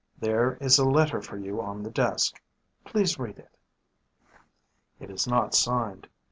There is a letter for you on the desk. Please read it. It is not signed.